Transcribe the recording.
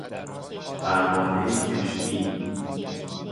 پروانه کشتی